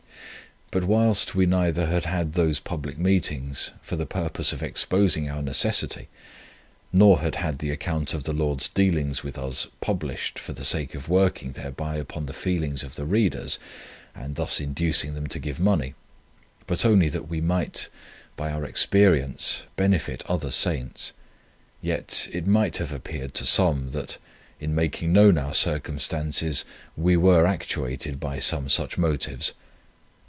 But whilst we neither had had those public meetings for the purpose of exposing our necessity, nor had had the account of the Lord's dealings with us published for the sake of working thereby upon the feelings of the readers, and thus inducing them to give money, but only that we might by our experience benefit other saints; yet it might have appeared to some that, in making known our circumstances, we were actuated by some such motives.